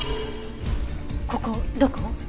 ここどこ？